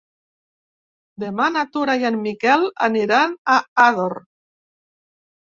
Demà na Tura i en Miquel aniran a Ador.